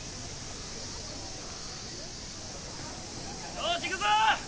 よしいくぞ！